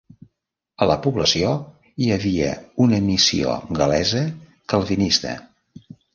A la població hi havia una missió gal·lesa calvinista.